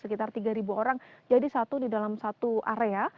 sekitar tiga orang jadi satu di dalam satu area